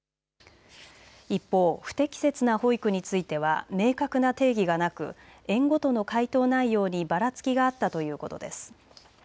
一方、不適切な保育については明確な定義がなく園ごとの回答内容にばらつきがあったということです。